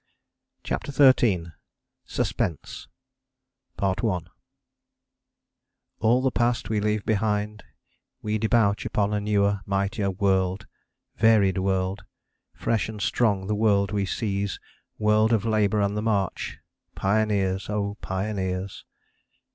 CHAPTER XIII SUSPENSE All the past we leave behind; We debouch upon a newer, mightier world, varied world; Fresh and strong the world we seize, world of labour and the march, Pioneers! O pioneers!